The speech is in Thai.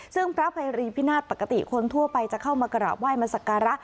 ซึ่งพระภัยรีพินาศปกติคนทั่วไปจะเข้ามากราบไห้มาสักการะ